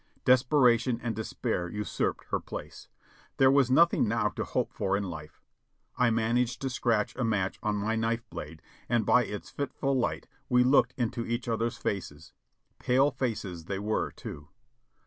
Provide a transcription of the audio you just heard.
Desperation and despair usurped her place. There was nothing now to hope for in life. I managed to scratch a match on my knife blade and by its fitful light we looked into each other's faces ; pale faces they were too.